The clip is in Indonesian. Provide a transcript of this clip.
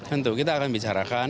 tentu kita akan bicarakan